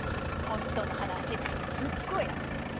「ホントの話」ってすっごい圧で。